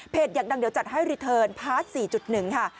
อยากดังเดี๋ยวจัดให้รีเทิร์นพาร์ท๔๑ค่ะ